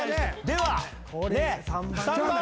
では３番！